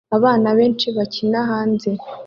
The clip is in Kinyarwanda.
Abana benshi bakina hanze